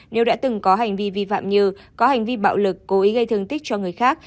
nếu đã từng có hành vi vi phạm như có hành vi bạo lực cố ý gây thương tích cho người khác